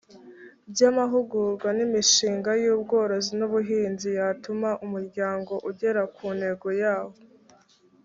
by amahugurwa n imishinga y ubworozi n ubuhinzi yatuma umuryango ugera ku ntego yawo